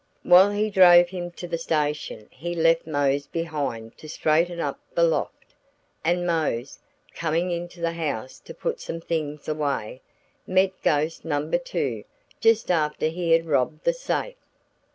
While he drove him to the station he left Mose behind to straighten up the loft; and Mose, coming into the house to put some things away, met ghost number two just after he had robbed the safe.